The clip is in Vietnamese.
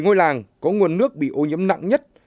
ngôi làng có nguồn nước bị ô nhiễm nặng nhất